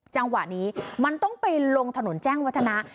จังหวะนี้มันต้องไปลงถนนแจ้งวัฒนะ